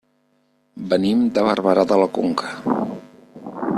Venim de Barberà de la Conca.